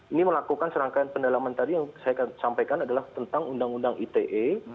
ini melakukan serangkaian pendalaman tadi yang saya sampaikan adalah tentang undang undang ite